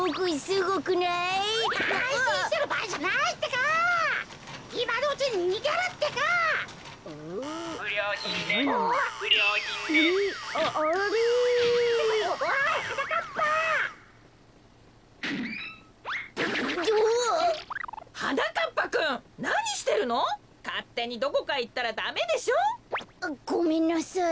ごめんなさい。